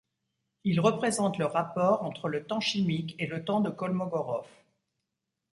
Il représente le rapport entre le temps chimique et le temps de Kolmogorov.